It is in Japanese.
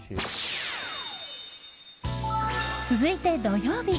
続いて、土曜日。